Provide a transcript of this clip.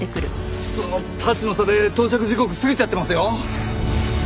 クソッタッチの差で到着時刻過ぎちゃってますよ。